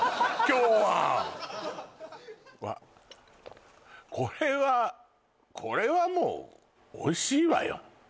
うわっこれはこれはもうおいしいわよ